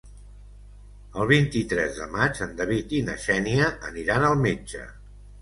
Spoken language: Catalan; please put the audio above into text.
El vint-i-tres de maig en David i na Xènia aniran al metge.